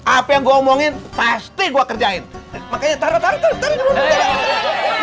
apa yang gue omongin pasti gue kerjain